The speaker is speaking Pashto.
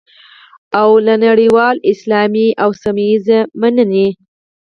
او نړیوالې، اسلامي او سیمه ییزې مننې